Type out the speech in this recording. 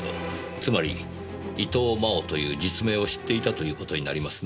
つまり伊藤真央という実名を知っていたという事になりますね。